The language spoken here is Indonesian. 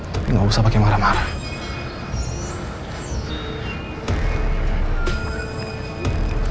tapi gak usah pake marah marah